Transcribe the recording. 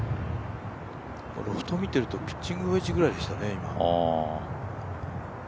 ロフト見てるとピッチングウェッジぐらいでしたね。